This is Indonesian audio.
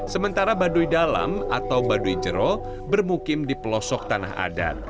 sementara baduy dalam atau baduy jero bermukim di pelosok tanah adat